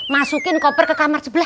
masukin koper ke kamar sebelah